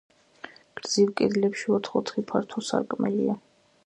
გრძივ კედლებში ოთხ-ოთხი ფართო სარკმელია.